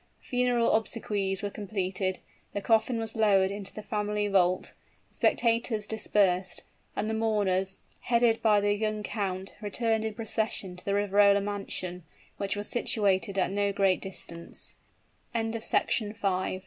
The funeral obsequies were completed; the coffin was lowered into the family vault; the spectators dispersed, and the mourners, headed by the young count, returned in procession to the Riverola mansion, which was situated at no great distance. CHAPTER V.